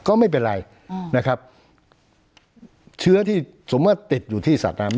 ก็ไม่เป็นไรนะครับเชื้อที่สมมุติติดอยู่ที่สัตว์น้ำ